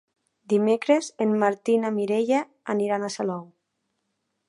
Dimecres en Martí i na Mireia aniran a Salou.